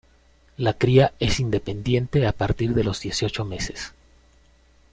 La cría es independiente a partir de los dieciocho meses.